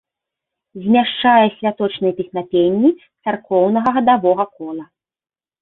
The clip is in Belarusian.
Змяшчае святочныя песнапенні царкоўнага гадавога кола.